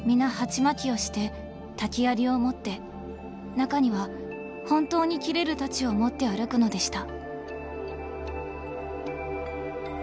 中には本当に切れる太刀を持って歩くのでした。